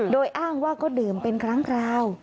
โดยอ้างว่าก็ดื่มเป็นครั้งคราว